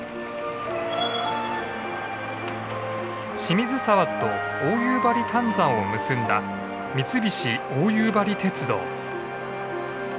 清水沢と大夕張炭山を結んだ三菱大夕張鉄道。